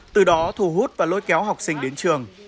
từ đó thu hút và lôi kéo học sinh đến trường